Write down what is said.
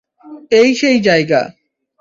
এই সেই জায়গা।